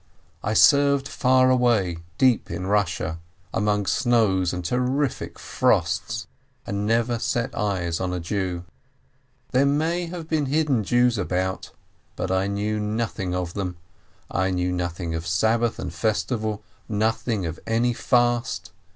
I served far away, deep in Russia, among snows and terrific frosts, and never set eyes on a Jew. There may have been hidden Jews about, but I knew nothing of them, I knew nothing of Sabbath and festival, nothing of any fast.